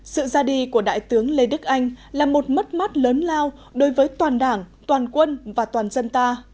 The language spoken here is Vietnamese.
sự ra đi của đại tướng lê đức anh là một mất mát lớn lao đối với toàn đảng toàn quân và toàn dân ta